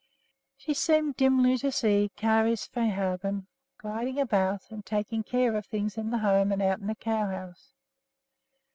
She seemed dimly to see Kari Svehaugen gliding about and taking care of things in the home and out in the cow house.